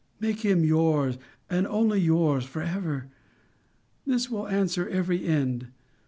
Make him yours, and only yours, for ever. This will answer every end.